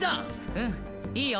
うんいいよ。